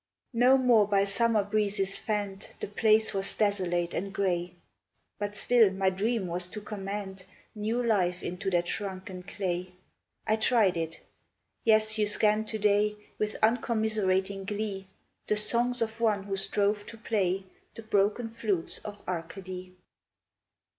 No more by summer breezes fanned, The place was desolate and gray; But still my dream was to command New life into that shrunken clay. I tried it. Yes, you scan to day, With uncommiserating glee, The songs of one who strove to play The broken flutes of Arcady.